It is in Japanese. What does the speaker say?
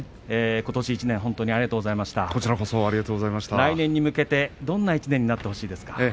来年に向けてどんな１年になってほしいですか。